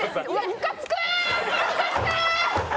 ムカつくー！